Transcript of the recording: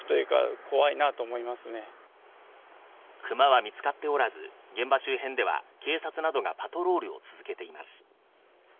クマは見つかっておらず、現場周辺では警察などがパトロールを続けています。